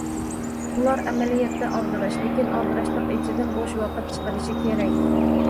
ئۇلار ئەمەلىيەتتە ئالدىراش، لېكىن ئالدىراشلىق ئىچىدىن بوش ۋاقىت چىقىرىشى كېرەك.